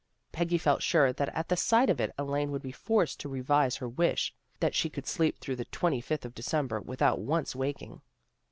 Peggy felt sure that at the sight of it Elaine would be forced to revise her wish that she could sleep through the twenty fifth of December without once waking.